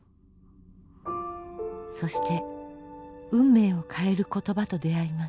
そして運命を変える言葉と出会います。